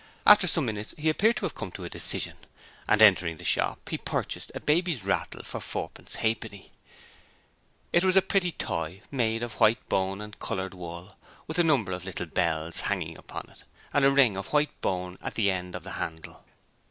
After some minutes he appeared to have come to a decision, and entering the shop he purchased a baby's rattle for fourpence halfpenny. It was a pretty toy made of white bone and coloured wool, with a number of little bells hanging upon it, and a ring of white bone at the end of the handle.